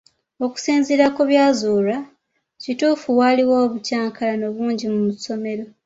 Okusinziira ku byazuulwa, kituufu waaliwo obukylankalano bungi nnyo mu ssomero.